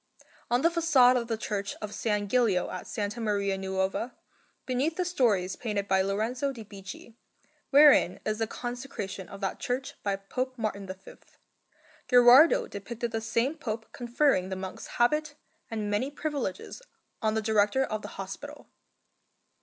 On the façade of the Church of S. Gilio at S. Maria Nuova, beneath the stories painted by Lorenzo di Bicci, wherein is the consecration of that church by Pope Martin V, Gherardo depicted the same Pope conferring the monk's habit and many privileges on the Director of the Hospital.